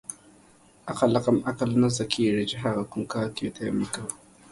عقل له قمعل نه زدکیږی چی هغه کوم کار کوی ته یی مه کوه